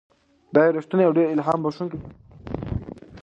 دا یو رښتینی او ډېر الهام بښونکی داستان دی.